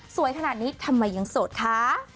ขนาดนี้ทำไมยังโสดคะ